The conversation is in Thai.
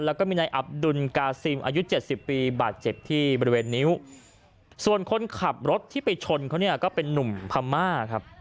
แล้วก็มีนายอับดุลกาซิมอายุเจ็ดสิบปีบาดเจ็บที่บริเวณนิ้วส่วนคนขับรถที่ไปชนเขาเนี่ยก็เป็นนุ่มพม่าครับ